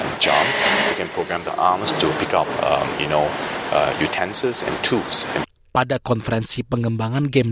pada konferensi pengembangan game di shanghai tiongkok robot robot yang cerdas di leher bahu pergelangan tangan siku dan lutut serta memiliki ketangkasan yang cukup